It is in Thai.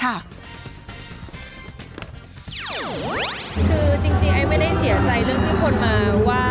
คือจริงไอ้ไม่ได้เสียใจเรื่องที่คนมาว่า